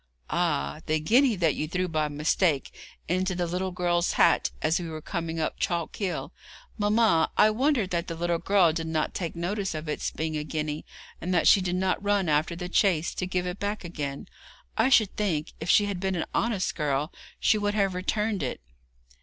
'Ah, the guinea that you threw by mistake into the little girl's hat as we were coming up Chalk Hill. Mamma, I wonder that the little girl did not take notice of its being a guinea, and that she did not run after the chaise to give it back again. I should think, if she had been an honest girl, she would have returned it.'